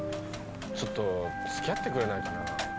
ちょっと付き合ってくれないかなぁ。